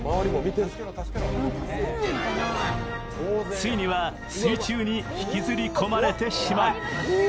ついには水中に引きずり込まれてしまう。